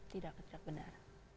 tidak tidak benar